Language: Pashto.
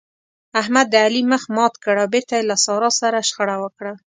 احمد د علي مخ مات کړ او بېرته يې له سارا سره شخړه وکړه.